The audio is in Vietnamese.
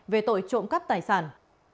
về tội trộm cắp tài sản